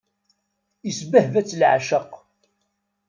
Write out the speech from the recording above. Isbehba-tt leɛceq.